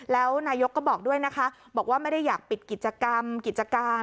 แล้วนายกก็บอกด้วยนะคะบอกว่าไม่ได้อยากปิดกิจกรรมกิจการ